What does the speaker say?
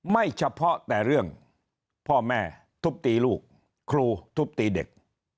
ไม่เฉพาะแต่เรื่องพ่อแม่ทุบตีลูกครูทุบตีเด็ก